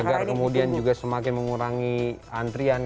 agar kemudian juga semakin mengurangi antrian